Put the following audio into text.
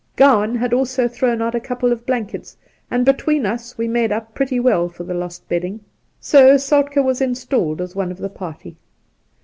Gowan had also thrown out a couple of blankets, and between us we made up pretty well for the lost bedding ; so Soltkd was installed as one of the party.